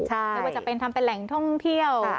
ไม่ว่าจะเป็นทำเป็นแหล่งท่องเที่ยว